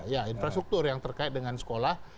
ya infrastruktur yang terkait dengan sekolah